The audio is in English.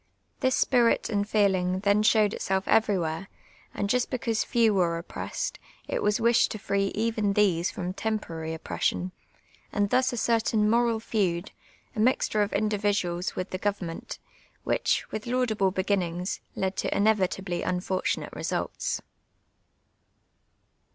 This si)irit and feeling then showed it.self every where, and just because few were oj)press(>d, it was wished to free even these from temporary oi)j)ression, and thus a certain, moral feud, a mixtm*e of individuals with the government, DIFFICULTY OF GKRMAN PATRIOTISM. 4G5 uliifli, with laiulablt' l)cpiniiiiip:s, led to inevitably unforturato results.